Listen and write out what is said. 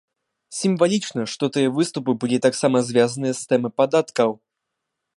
Сімвалічна, што тыя выступы былі таксама звязаныя з тэмай падаткаў.